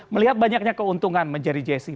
melihat banyaknya keuntungan menjadi jessi